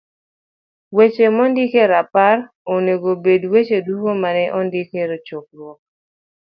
Weche mondiki e rapar onego obed weche duto ma ne owach e chokruok.